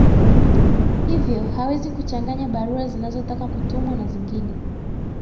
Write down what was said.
Hivyo hawezi kuchanganya barua zinazotaka kutumwa na zingine